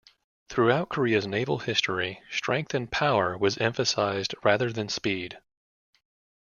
Throughout Korea's naval history, strength and power was emphasized rather than speed.